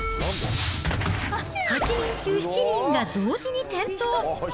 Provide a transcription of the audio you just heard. ８人中７人が同時に転倒。